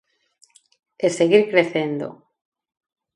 E seguir crecendo.